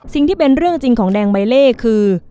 สิ่งที่เป็นเรื่องจริงของแดงใบเล่คือ